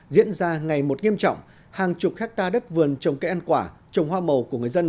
diễn ra ngày một nghiêm trọng hàng chục hectare đất vườn trồng cây ăn quả trồng hoa màu của người dân